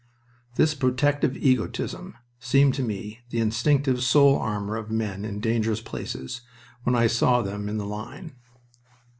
This protective egotism seemed to me the instinctive soul armor of men in dangerous places when I saw them in the line.